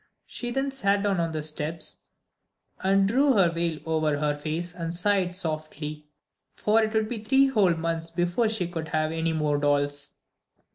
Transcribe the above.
She then sat down on the steps and drew her veil over her face and sighed softly, for it would be three whole months before she could have any more dolls.